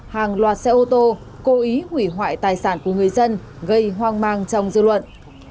hàng loạt xe ô tô cố ý hủy hoại tài sản của người dân gây hoang mang trong dư luận